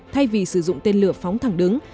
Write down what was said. thay vì sử dụng tên lửa phóng thẳng đứng